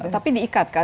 tapi diikat kan